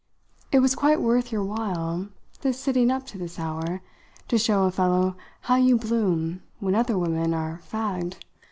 "It was quite worth your while, this sitting up to this hour, to show a fellow how you bloom when other women are fagged.